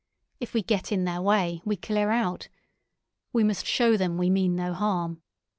If we get in their way, we clear out. We must show them we mean no harm.